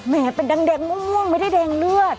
เป็นแดงม่วงไม่ได้แดงเลือด